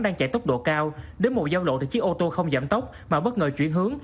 đang chạy tốc độ cao đến mùa giao lộ thì chiếc ô tô không giảm tốc mà bất ngờ chuyển hướng